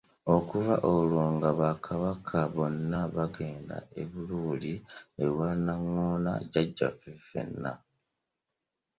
Okuva olwo nga Bakabaka bonna bagenda e Buluuli ewa Naŋŋoma Jajjaffe fenna.